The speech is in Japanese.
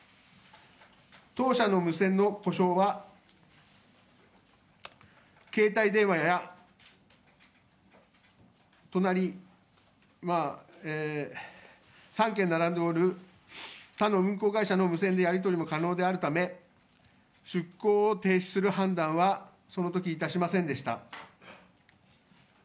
当社の無線の故障は、携帯電話や隣、３軒並んでいる他の運航会社の無線でやり取りも可能であるため出港を停止する判断は、そのときいたしませんでした。